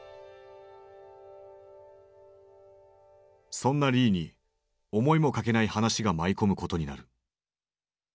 そんなリーに思いもかけない話が舞い込むことになる。